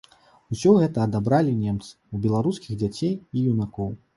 Усё гэта адабралі немцы ў беларускіх дзяцей і юнакоў.